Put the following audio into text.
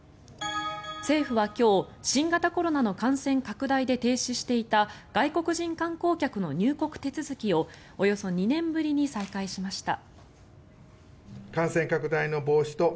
政府は今日新型コロナの感染拡大で停止していた外国人観光客の入国手続きをおよそ２年ぶりに再開しました。